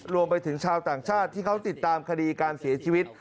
รวมไปถึงชาวต่างชาติที่เขาติดตามคดีการเสียชีวิต